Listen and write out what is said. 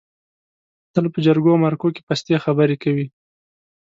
تل په جرګو او مرکو کې پستې خبرې کوي.